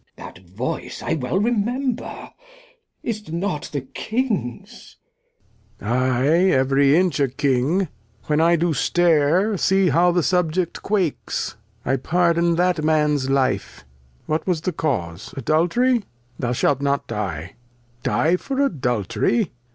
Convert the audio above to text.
Glost. That Voice I well remember, is't not the King's ? Lear. I, every Inch a King, when I do Stare See how the Subject quakes. I pardon that Man's Life, what was the Cause ? Adultery? Thou shalt not Die. Die for Adultery